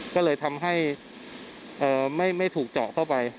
ก็เลยทำให้ไม่ถูกเจาะเข้าไป